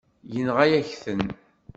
Yenɣa-yak-ten.